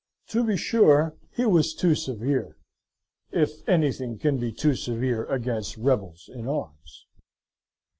To be sure, he was too severe: if anything can be top severe against rebels in arms.